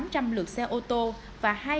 và hai lượt xe lưu thông qua hầm